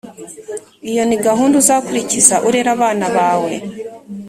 Iyo ni gahunda uzakurikiza urera abana bawe